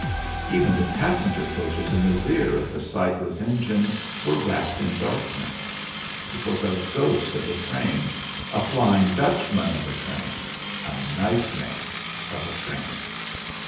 Even the passenger coaches in the rear of the sightless engine were wrapped in darkness. It was a ghost of a train, a Flying Dutchman of a train, a nightmare of a train.